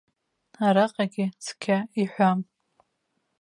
Араҟагьы цқьа иҳәам.